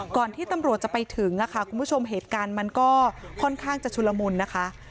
ที่ตำรวจจะไปถึงคุณผู้ชมเหตุการณ์มันก็ค่อนข้างจะชุลมุนนะคะ